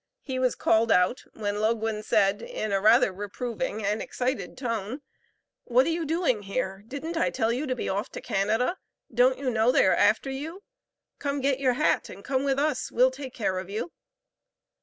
He was called out, when Loguen said, in a rather reproving and excited tone, "What are you doing here; didn't I tell you to be off to Canada? Don't you know they are after you? Come get your hat, and come with us, we'll take care of you."